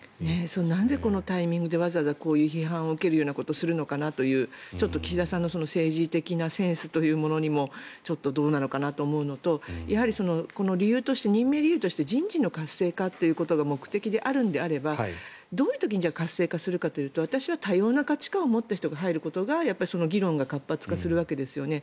なんでこのタイミングでわざわざこういう批判を受けるようなことをするのかなというちょっと岸田さんの政治的なセンスというものにもちょっとどうなのかなと思うのと任命理由として人事の活性化が目的であるのであればどういう時に活性化するかというと私は多様な価値観を持った人が議論が活発化するわけですよね。